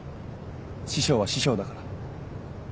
師匠は師匠だから。